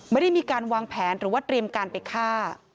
ไม่ได้มีการวางแผนหรือว่าเตรียมการไปฆ่า